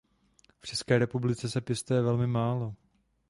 V České republice se pěstuje velmi málo.